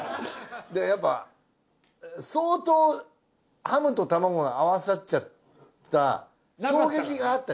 やっぱり相当ハムとタマゴが合わさっちゃった衝撃があったじゃん。